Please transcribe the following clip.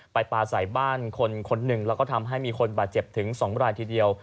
ปลาใส่บ้านคนหนึ่งแล้วก็ทำให้มีคนบาดเจ็บถึง๒รายทีเดียว